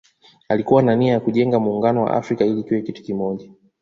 Alikuwa na nia ya kujenga Muungano wa Afrika ili iwe kitu kimoja